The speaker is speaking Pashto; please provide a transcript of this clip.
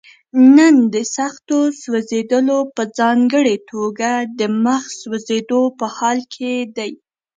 نن د سختو سوځېدلو په ځانګړي توګه د مخ سوځېدو په حال کې دي.